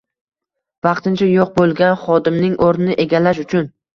vaqtincha yo‘q bo‘lgan xodimning o‘rnini egallash uchun